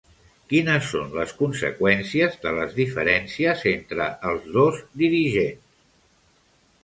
Quines són les conseqüències de les diferències entre els dos dirigents?